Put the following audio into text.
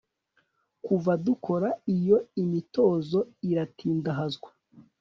kuva dukora iyo imitozo iratindahazwa